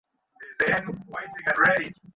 ওরা আমাদের শাস্ত্রগুলি সম্বন্ধে কিছুই বোঝে না।